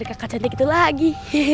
heeh ada kakak cantik itu lagi